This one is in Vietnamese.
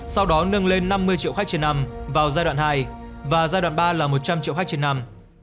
trên năm mươi triệu khách trên năm vào giai đoạn hai và giai đoạn ba là một trăm linh triệu khách trên năm